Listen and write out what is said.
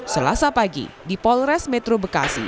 selasa pagi di polres metro bekasi